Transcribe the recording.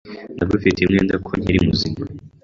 Ndagufitiye umwenda ko nkiri muzima.